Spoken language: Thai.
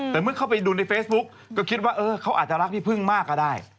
แต่เมื่อเข้าไปดูในเฟซบุ๊กก็คิดว่าเขาอาจจะรักพี่พึ่งมากก็ได้